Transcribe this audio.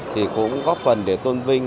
thì cũng góp phần để tôn vinh